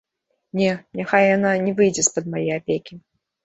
Не, няхай яна не выйдзе з-пад мае апекі.